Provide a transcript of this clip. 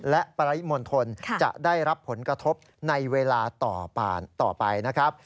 และปริมณฑลจะได้รับผลกระทบในเวลาต่อไปนะครับ